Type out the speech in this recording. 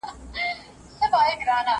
دواړه بايد په خپل ځای وکارول شي.